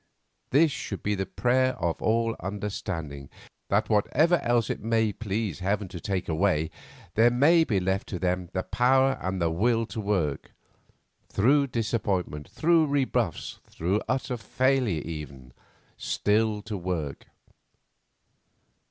This should be the prayer of all of understanding, that whatever else it may please Heaven to take away, there may be left to them the power and the will to work, through disappointment, through rebuffs, through utter failure even, still to work.